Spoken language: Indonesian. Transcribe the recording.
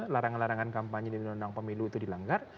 larangan larangan kampanye di undang undang pemilu itu dilanggar